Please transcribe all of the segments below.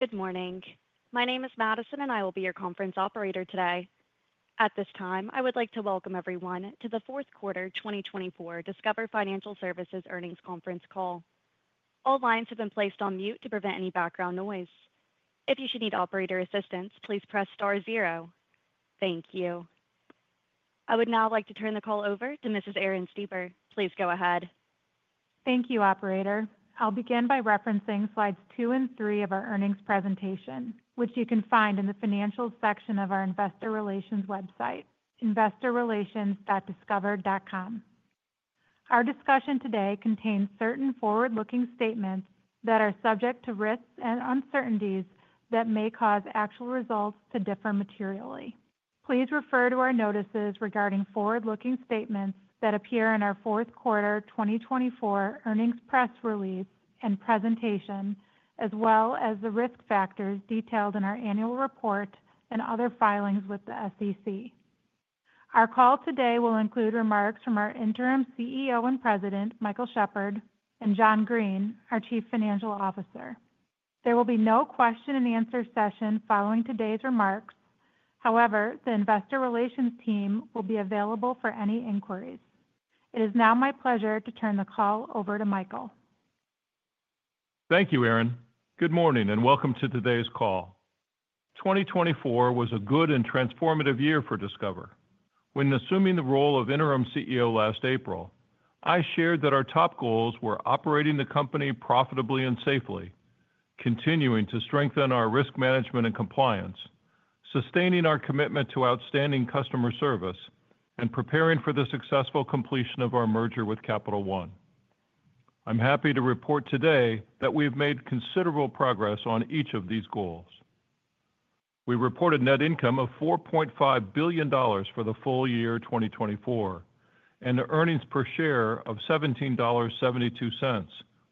Good morning. My name is Madison, and I will be your conference operator today. At this time, I would like to welcome everyone to the fourth quarter 2024 Discover Financial Services earnings conference call. All lines have been placed on mute to prevent any background noise. If you should need operator assistance, please press star zero. Thank you. I would now like to turn the call over to Mrs. Erin Stieber. Please go ahead. Thank you, Operator. I'll begin by referencing slides two and three of our earnings presentation, which you can find in the financials section of our Investor Relations website, investorrelations.discover.com. Our discussion today contains certain forward-looking statements that are subject to risks and uncertainties that may cause actual results to differ materially. Please refer to our notices regarding forward-looking statements that appear in our fourth quarter 2024 earnings press release and presentation, as well as the risk factors detailed in our annual report and other filings with the SEC. Our call today will include remarks from our Interim CEO and President, Michael Shepherd, and John Greene, our Chief Financial Officer. There will be no question-and-answer session following today's remarks. However, the Investor Relations team will be available for any inquiries. It is now my pleasure to turn the call over to Michael. Thank you, Erin. Good morning and welcome to today's call. 2024 was a good and transformative year for Discover. When assuming the role of Interim CEO last April, I shared that our top goals were operating the company profitably and safely, continuing to strengthen our risk management and compliance, sustaining our commitment to outstanding customer service, and preparing for the successful completion of our merger with Capital One. I'm happy to report today that we have made considerable progress on each of these goals. We reported net income of $4.5 billion for the full year 2024 and an earnings per share of $17.72,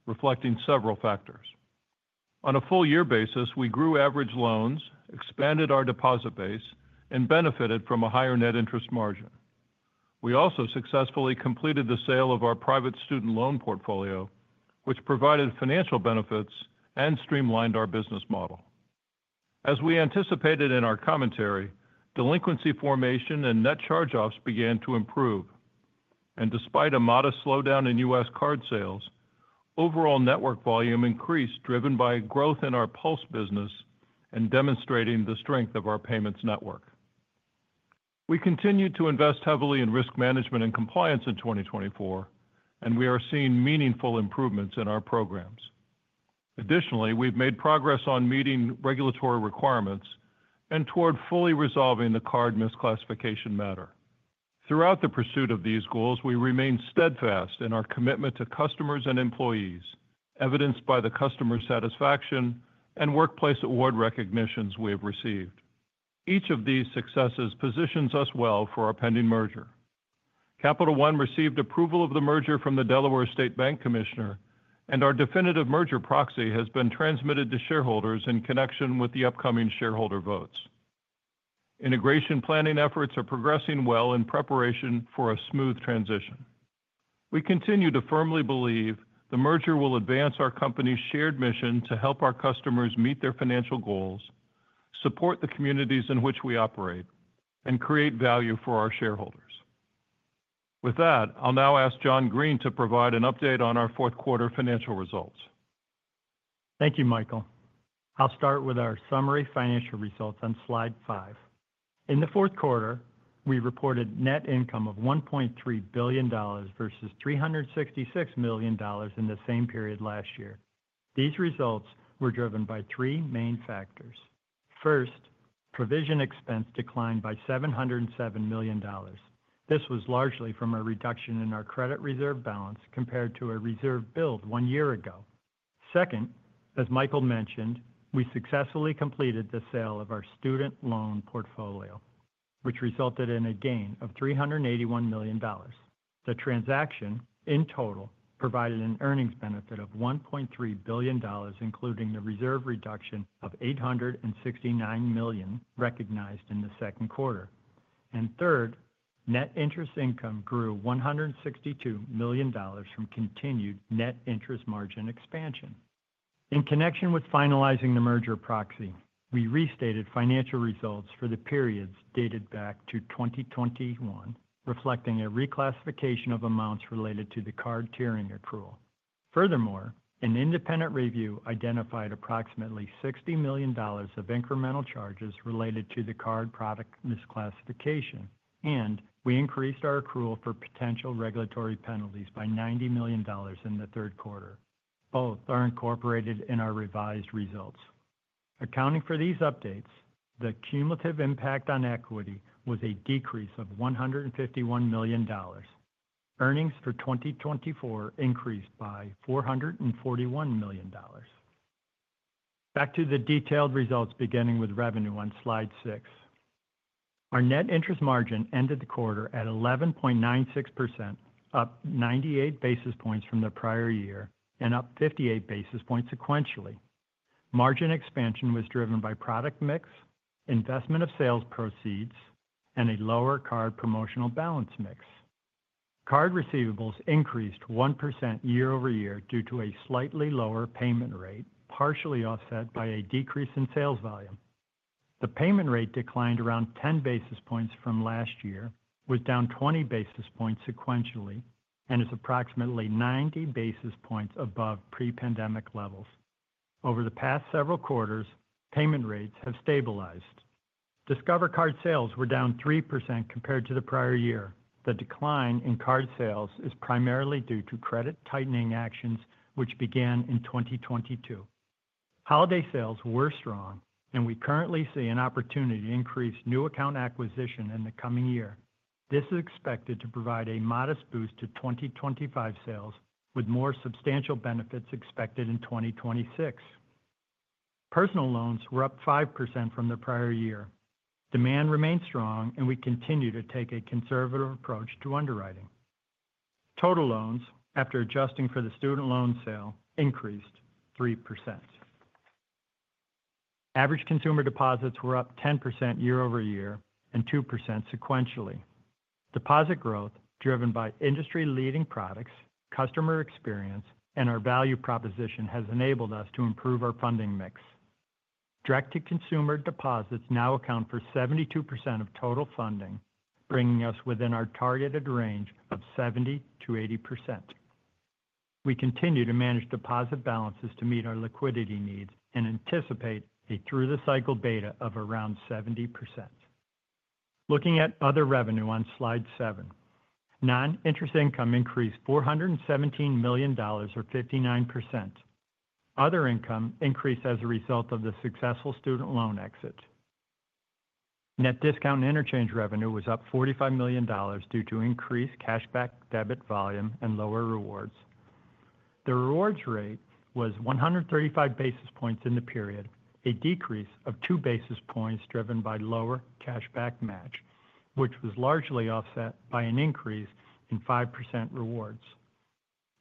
reflecting several factors. On a full-year basis, we grew average loans, expanded our deposit base, and benefited from a higher net interest margin. We also successfully completed the sale of our private student loan portfolio, which provided financial benefits and streamlined our business model. As we anticipated in our commentary, delinquency formation and net charge-offs began to improve, and despite a modest slowdown in U.S. card sales, overall network volume increased driven by growth in our PULSE business and demonstrating the strength of our payments network. We continue to invest heavily in risk management and compliance in 2024, and we are seeing meaningful improvements in our programs. Additionally, we've made progress on meeting regulatory requirements and toward fully resolving the card misclassification matter. Throughout the pursuit of these goals, we remain steadfast in our commitment to customers and employees, evidenced by the customer satisfaction and workplace award recognitions we have received. Each of these successes positions us well for our pending merger. Capital One received approval of the merger from the Delaware Office of the State Bank Commissioner, and our definitive merger proxy has been transmitted to shareholders in connection with the upcoming shareholder votes. Integration planning efforts are progressing well in preparation for a smooth transition. We continue to firmly believe the merger will advance our company's shared mission to help our customers meet their financial goals, support the communities in which we operate, and create value for our shareholders. With that, I'll now ask John Greene to provide an update on our fourth quarter financial results. Thank you, Michael. I'll start with our summary financial results on slide five. In the fourth quarter, we reported net income of $1.3 billion versus $366 million in the same period last year. These results were driven by three main factors. First, provision expense declined by $707 million. This was largely from a reduction in our credit reserve balance compared to a reserve build one year ago. Second, as Michael mentioned, we successfully completed the sale of our student loan portfolio, which resulted in a gain of $381 million. The transaction, in total, provided an earnings benefit of $1.3 billion, including the reserve reduction of $869 million recognized in the second quarter. Third, net interest income grew $162 million from continued net interest margin expansion. In connection with finalizing the merger proxy, we restated financial results for the periods dated back to 2021, reflecting a reclassification of amounts related to the card tiering accrual. Furthermore, an independent review identified approximately $60 million of incremental charges related to the card product misclassification, and we increased our accrual for potential regulatory penalties by $90 million in the third quarter. Both are incorporated in our revised results. Accounting for these updates, the cumulative impact on equity was a decrease of $151 million. Earnings for 2024 increased by $441 million. Back to the detailed results, beginning with revenue on slide six. Our net interest margin ended the quarter at 11.96%, up 98 basis points from the prior year and up 58 basis points sequentially. Margin expansion was driven by product mix, investment of sales proceeds, and a lower card promotional balance mix. Card receivables increased 1% year-over-year due to a slightly lower payment rate, partially offset by a decrease in sales volume. The payment rate declined around 10 basis points from last year, was down 20 basis points sequentially, and is approximately 90 basis points above pre-pandemic levels. Over the past several quarters, payment rates have stabilized. Discover Card sales were down 3% compared to the prior year. The decline in card sales is primarily due to credit tightening actions, which began in 2022. Holiday sales were strong, and we currently see an opportunity to increase new account acquisition in the coming year. This is expected to provide a modest boost to 2025 sales, with more substantial benefits expected in 2026. Personal loans were up 5% from the prior year. Demand remained strong, and we continue to take a conservative approach to underwriting. Total loans, after adjusting for the student loan sale, increased 3%. Average consumer deposits were up 10% year-over-year and 2% sequentially. Deposit growth, driven by industry-leading products, customer experience, and our value proposition, has enabled us to improve our funding mix. Direct-to-consumer deposits now account for 72% of total funding, bringing us within our targeted range of 70%-80%. We continue to manage deposit balances to meet our liquidity needs and anticipate a through-the-cycle beta of around 70%. Looking at other revenue on slide seven, non-interest income increased $417 million, or 59%. Other income increased as a result of the successful student loan exit. Net discount interchange revenue was up $45 million due to increased Cashback Debit volume and lower rewards. The rewards rate was 135 basis points in the period, a decrease of two basis points driven by lower Cashback Match, which was largely offset by an increase in 5% rewards.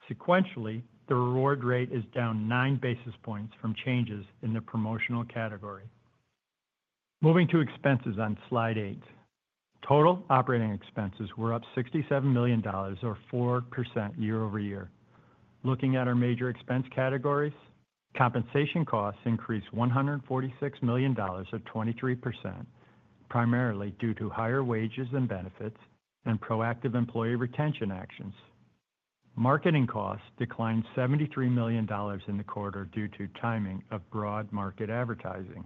Sequentially, the reward rate is down nine basis points from changes in the promotional category. Moving to expenses on slide eight, total operating expenses were up $67 million, or 4% year-over-year. Looking at our major expense categories, compensation costs increased $146 million, or 23%, primarily due to higher wages and benefits and proactive employee retention actions. Marketing costs declined $73 million in the quarter due to timing of broad market advertising.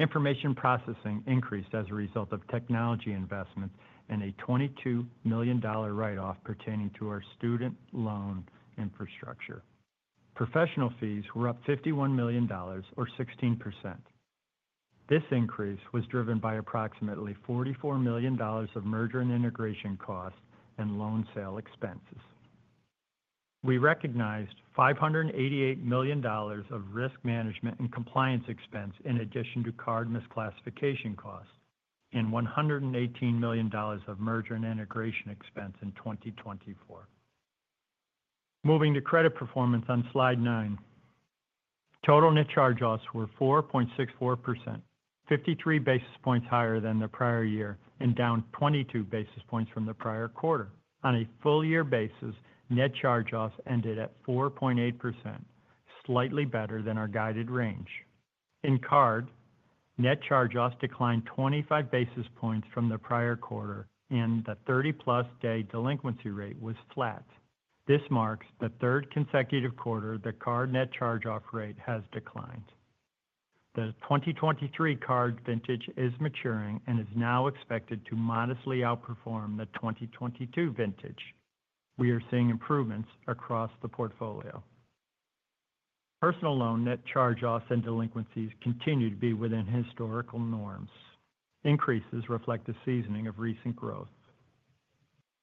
Information processing increased as a result of technology investments and a $22 million write-off pertaining to our student loan infrastructure. Professional fees were up $51 million, or 16%. This increase was driven by approximately $44 million of merger and integration costs and loan sale expenses. We recognized $588 million of risk management and compliance expense in addition to card misclassification costs and $118 million of merger and integration expense in 2024. Moving to credit performance on slide nine, total net charge-offs were 4.64%, 53 basis points higher than the prior year and down 22 basis points from the prior quarter. On a full-year basis, net charge-offs ended at 4.8%, slightly better than our guided range. In card, net charge-offs declined 25 basis points from the prior quarter, and the 30-plus-day delinquency rate was flat. This marks the third consecutive quarter the card net charge-off rate has declined. The 2023 card vintage is maturing and is now expected to modestly outperform the 2022 vintage. We are seeing improvements across the portfolio. Personal loan net charge-offs and delinquencies continue to be within historical norms. Increases reflect the seasoning of recent growth.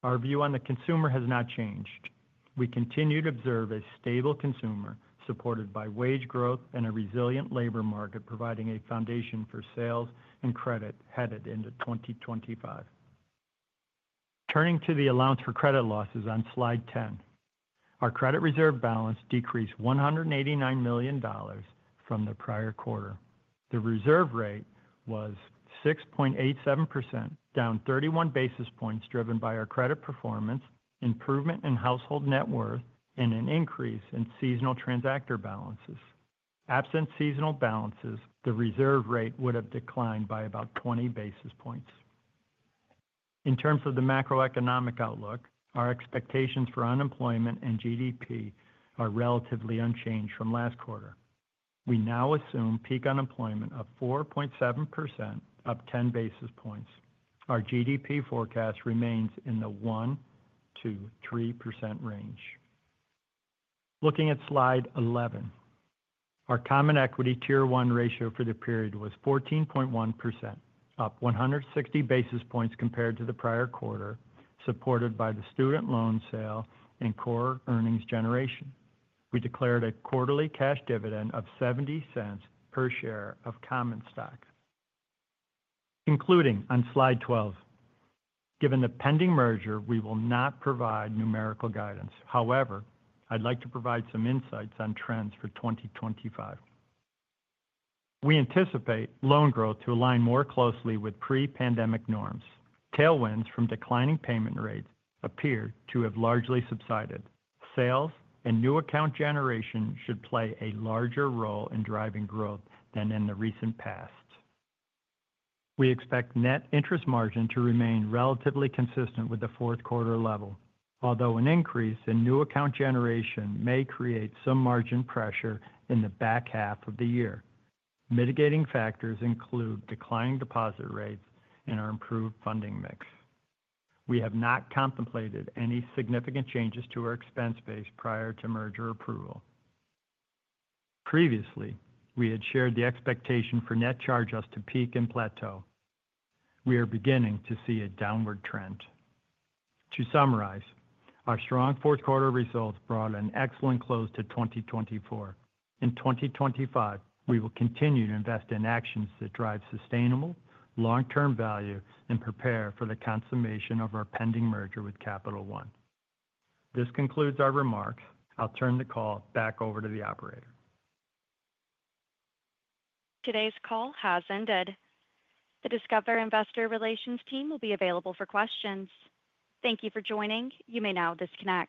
Our view on the consumer has not changed. We continue to observe a stable consumer supported by wage growth and a resilient labor market providing a foundation for sales and credit headed into 2025. Turning to the allowance for credit losses on slide 10, our credit reserve balance decreased $189 million from the prior quarter. The reserve rate was 6.87%, down 31 basis points driven by our credit performance, improvement in household net worth, and an increase in seasonal transactor balances. Absent seasonal balances, the reserve rate would have declined by about 20 basis points. In terms of the macroeconomic outlook, our expectations for unemployment and GDP are relatively unchanged from last quarter. We now assume peak unemployment of 4.7%, up 10 basis points. Our GDP forecast remains in the 1%-3% range. Looking at slide 11, our Common Equity Tier 1 ratio for the period was 14.1%, up 160 basis points compared to the prior quarter, supported by the student loan sale and core earnings generation. We declared a quarterly cash dividend of $0.70 per share of common stock. Concluding on slide 12, given the pending merger, we will not provide numerical guidance. However, I'd like to provide some insights on trends for 2025. We anticipate loan growth to align more closely with pre-pandemic norms. Tailwinds from declining payment rates appear to have largely subsided. Sales and new account generation should play a larger role in driving growth than in the recent past. We expect net interest margin to remain relatively consistent with the fourth quarter level, although an increase in new account generation may create some margin pressure in the back half of the year. Mitigating factors include declining deposit rates and our improved funding mix. We have not contemplated any significant changes to our expense base prior to merger approval. Previously, we had shared the expectation for net charge-offs to peak and plateau. We are beginning to see a downward trend. To summarize, our strong fourth quarter results brought an excellent close to 2024. In 2025, we will continue to invest in actions that drive sustainable long-term value and prepare for the consummation of our pending merger with Capital One. This concludes our remarks. I'll turn the call back over to the operator. Today's call has ended. The Discover Investor Relations team will be available for questions. Thank you for joining. You may now disconnect.